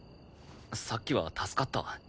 さっきは助かった。